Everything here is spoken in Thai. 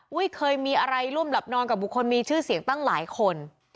เคยมีอะไรร่วมหลับนอนกับบุคคลมีชื่อเสียงตั้งหลายคน